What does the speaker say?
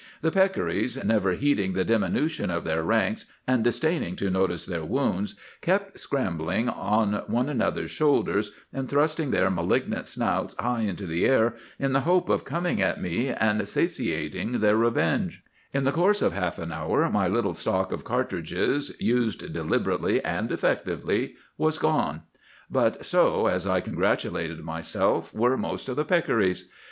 The peccaries, never heeding the diminution of their ranks, and disdaining to notice their wounds, kept scrambling on one another's shoulders, and thrusting their malignant snouts high into the air in the hope of coming at me and satiating their revenge. [Illustration: "I emptied My Revolvers rapidly, and half a dozen Animals dropped." Page 94.] "In the course of half an hour my little stock of cartridges, used deliberately and effectively, was gone; but so, as I congratulated myself, were most of the peccaries.